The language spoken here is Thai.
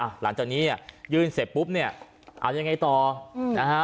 หลังจากนี้อ่ะยื่นเสร็จปุ๊บเนี่ยเอายังไงต่ออืมนะฮะ